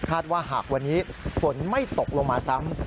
ว่าหากวันนี้ฝนไม่ตกลงมาซ้ำ